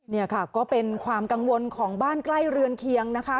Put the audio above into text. นี่ค่ะก็เป็นความกังวลของบ้านใกล้เรือนเคียงนะคะ